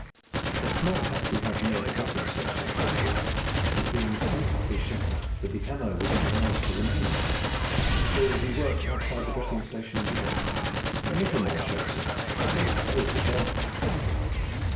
The small hut we have near the dressing station for this work was being so hotly shelled that the M.O. would not allow us to remain there, so we worked outside the dressing station door, a little more sheltered, but still exposed to shell fire.